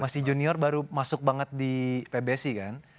masih junior baru masuk banget di pbsi kan